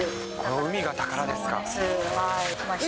海が宝ですか。